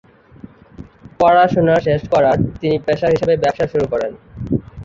পড়াশুনার শেষ করার তিনি পেশা হিসেবে ব্যবসা শুরু করেন।